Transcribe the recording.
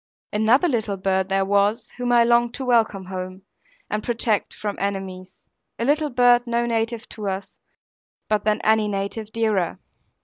Another little bird there was, whom I longed to welcome home, and protect from enemies, a little bird no native to us, but than any native dearer.